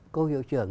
cô hiệu trưởng